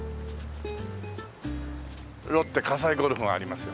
ロッテ西ゴルフがありますよ。